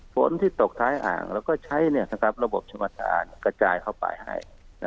ฝนที่ตกท้ายอ่างแล้วก็ใช้ระบบชมธานกระจายเข้าไปให้